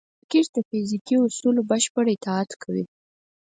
راکټ د فزیکي اصولو بشپړ اطاعت کوي